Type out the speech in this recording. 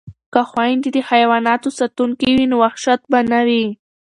که خویندې د حیواناتو ساتونکې وي نو وحشت به نه وي.